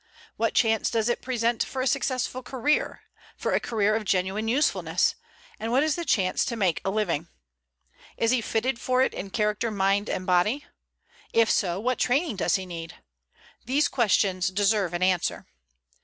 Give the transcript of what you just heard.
What chance does it present for a successful career, for a career of genuine usefulness, and what is the chance to make a living? Is he fitted for it in character, mind, and body? If so, what training does he need? These questions deserve an answer.